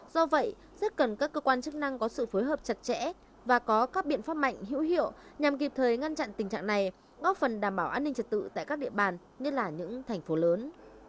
do vậy rất cần các cơ quan chức năng có sự phối hợp chặt chẽ và có các biện pháp mạnh hữu hiệu nhằm kịp thời ngăn chặn tình trạng này góp phần đảm bảo an ninh trật tự tại các địa bàn nhất là những thành phố lớn